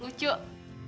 bisa gak nyuruh nukul